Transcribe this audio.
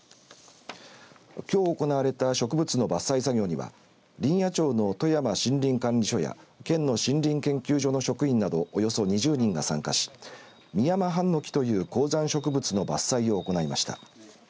きょう行われた植物の伐採作業には林野庁の富山森林管理署や県の森林研究所の職員などおよそ２０人が参加しミヤマハンノキという高山植物の伐採を行いました。